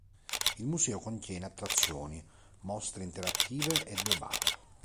Il museo contiene attrazioni, mostre interattive e due bar.